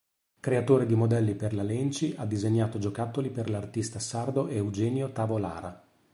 Creatore di modelli per la Lenci, ha disegnato giocattoli per l'artista sardo Eugenio Tavolara.